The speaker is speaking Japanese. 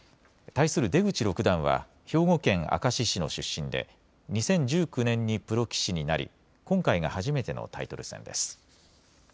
対する出口六段は兵庫県明石市の出身で２０１９年にプロ棋士になり今回が初めてのタイトル戦です。